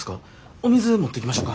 お水持ってきましょか。